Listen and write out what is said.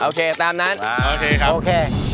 โอเคตามนั้นนะโอเคค่ะอะเป็นไง